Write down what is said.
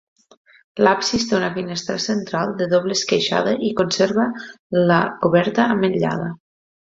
L'absis té una finestra central de doble esqueixada i conserva la coberta ametllada.